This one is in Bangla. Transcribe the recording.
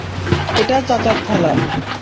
এটা চাচার থালা।